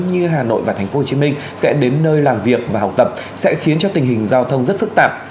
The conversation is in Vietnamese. như hà nội và tp hcm sẽ đến nơi làm việc và học tập sẽ khiến cho tình hình giao thông rất phức tạp